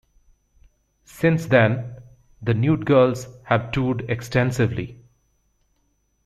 Since then, the Nude girls have toured extensively.